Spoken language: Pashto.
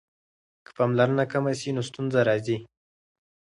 که پاملرنه کمه سي نو ستونزه راځي.